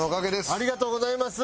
ありがとうございます！